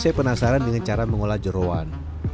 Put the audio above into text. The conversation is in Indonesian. saya penasaran dengan cara mengolah jerawan